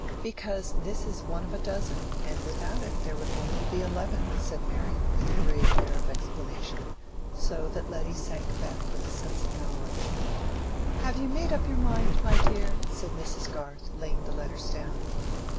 "Because this is one of a dozen, and without it there would only be eleven," said Mary, with a grave air of explanation, so that Letty sank back with a sense of knowledge. "Have you made up your mind, my dear?" said Mrs. Garth, laying the letters down.